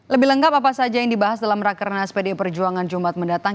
lebih lengkap apa saja yang dibahas dalam rakernas pdi perjuangan jumat mendatang